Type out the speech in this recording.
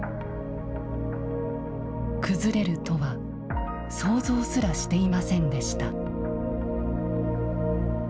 崩れるとは想像すらしていませんでした。